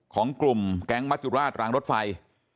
ของกลุ่มแก๊งมัจจุราชรางรถไฟ